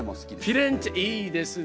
フィレンツェいいですね。